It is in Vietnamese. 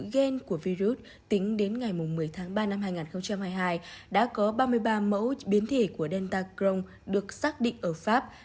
gen của virus tính đến ngày một mươi tháng ba năm hai nghìn hai mươi hai đã có ba mươi ba mẫu biến thể của delta crong được xác định ở pháp